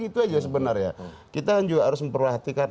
itu aja sebenarnya kita juga harus memperhatikan